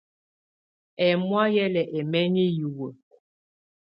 Ɛmɔ̀á hɛ lɛ ɛmɛŋɛ hiwǝ́.